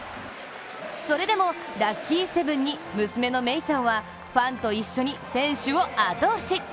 それでもラッキーセブンに娘のＭＥＩさんはファンと一緒に選手を後押し。